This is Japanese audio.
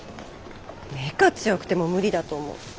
メカ強くても無理だと思う。